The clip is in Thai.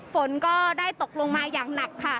ฝนก็ได้ตกลงมาอย่างหนักค่ะ